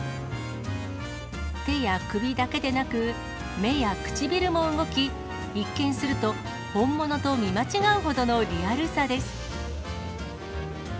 手や首だけでなく、目や唇も動き、一見すると本物と見間違うほどのリアルさです。